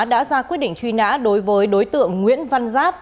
đã ra quyết định truy nã đối với đối tượng nguyễn văn giáp